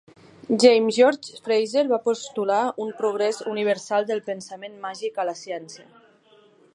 James George Frazer va postular un progrés universal del pensament màgic a la ciència.